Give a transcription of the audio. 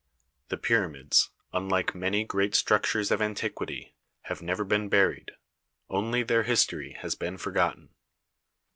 The pyramids, unlike many great structures of antiquity, have never been buried; only their history has been forgotten.